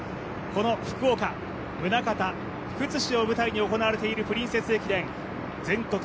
この福岡、宗像、福津市を舞台に行われているプリンセス駅伝全国